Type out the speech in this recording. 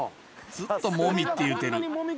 ずっともみって言ってる。